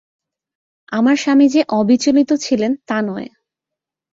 আমার স্বামী যে অবিচলিত ছিলেন তা নয়।